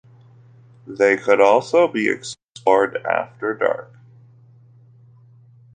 They could also be explored after dark.